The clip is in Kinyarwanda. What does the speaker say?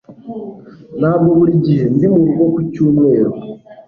Ntabwo buri gihe ndi murugo ku cyumweru